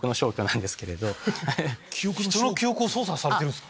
人の記憶を操作されてるんですか。